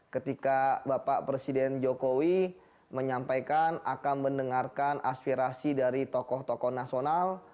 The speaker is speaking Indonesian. ketika bapak presiden jokowi menyampaikan akan mendengarkan aspirasi dari tokoh tokoh nasional